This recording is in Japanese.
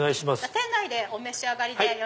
店内でお召し上がりですか？